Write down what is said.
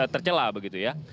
terjelah begitu ya